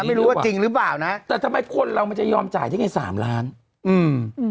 ไม่รู้ว่าจริงหรือเปล่านะแต่ทำไมคนเรามันจะยอมจ่ายได้ไงสามล้านอืม